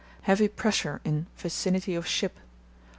Heavy pressure in vicinity of ship.